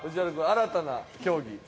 新たな競技ある？